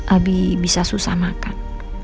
abi bisa susah makan